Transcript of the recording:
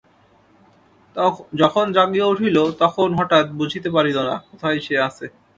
যখন জাগিয়া উঠিল তখন হঠাৎ বুঝিতে পারিল না, কোথায় সে আছে।